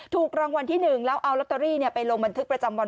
ถูกรางวัลที่๑แล้วเอาลอตเตอรี่ไปลงบันทึกประจำวัน